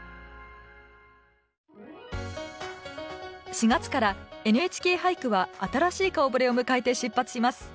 ４月から「ＮＨＫ俳句」は新しい顔ぶれを迎えて出発します。